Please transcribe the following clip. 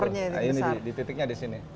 nah ini di titiknya di sini